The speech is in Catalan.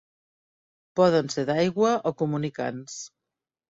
Poden ser d'aigua o comunicants.